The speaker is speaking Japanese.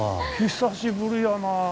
久しぶりやな。